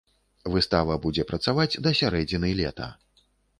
Выстава будзе працаваць да сярэдзіны лета.